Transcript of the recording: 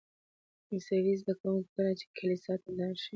عیسوي زده کوونکي کله چې کلیسا ته لاړ شي.